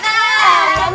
tung anaknya kemana